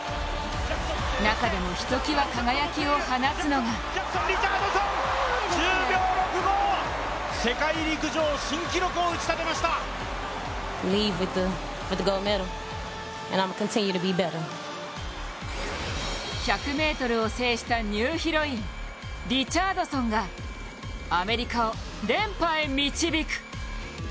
中でもひときわ輝きを放つのが１００ｍを制したニューヒロイン、リチャードソンがアメリカを連覇へ導く。